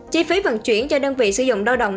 chi phí vận chuyển cho đơn vị sử dụng lao động